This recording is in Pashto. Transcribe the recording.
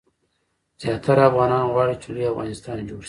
زیاتره افغانان غواړي چې لوی افغانستان جوړ شي.